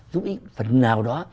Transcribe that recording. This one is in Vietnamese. giúp ích phần nào đó